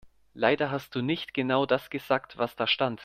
Leider hast du nicht genau das gesagt, was da stand.